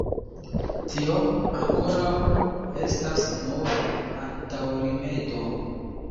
Tio, ankoraŭ, estas nur antaŭrimedo.